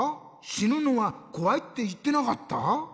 「しぬのはこわい」っていってなかった？